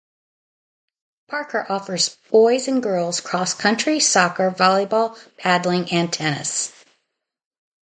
Parker offers boys and girls cross country, soccer, volleyball, paddling, and tennis.